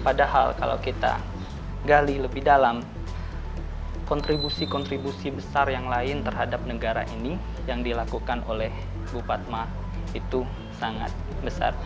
padahal kalau kita gali lebih dalam kontribusi kontribusi besar yang lain terhadap negara ini yang dilakukan oleh bupat mah itu sangat besar